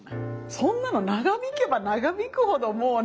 そんなの長引けば長引くほどもうね。